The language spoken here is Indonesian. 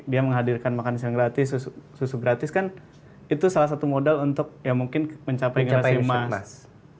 dia menghadirkan makan siang gratis susu gratis kan itu salah satu modal untuk ya mungkin mencapai generasi emas